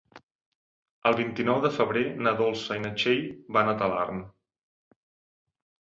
El vint-i-nou de febrer na Dolça i na Txell van a Talarn.